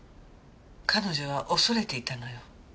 彼女は恐れていたのよ。